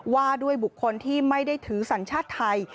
ว่าด้วยบุคคลที่ไม่ได้ถือสัญชาติไทย